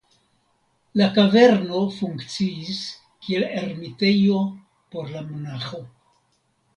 La kaverno funkciis kiel ermitejo por la monaĥo.